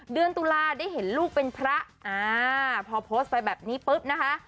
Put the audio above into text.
เดือนตุลาได้เห็นลูกเป็นพระอ่าพอโพสต์ไปแบบนี้ปุ๊บนะคะ